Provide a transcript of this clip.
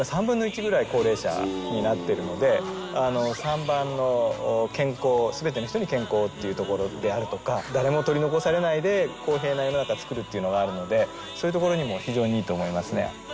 ３番の「すべての人に健康」っていうところであるとか誰も取り残されないで公平な世の中つくるっていうのがあるのでそういうところにも非常にいいと思いますね。